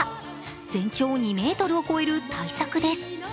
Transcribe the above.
全長２ｍを超える大作です。